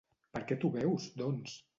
Per què t'ho beus, doncs?